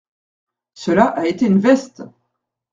Cela a été une veste !